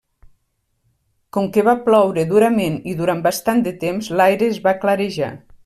Com que va ploure durament i durant bastant de temps l'aire es va clarejar.